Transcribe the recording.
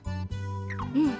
うん。